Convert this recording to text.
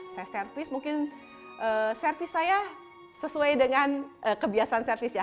saya servis mungkin servis saya sesuai dengan kebiasaan servis ya